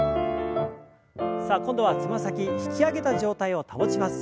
さあ今度はつま先引き上げた状態を保ちます。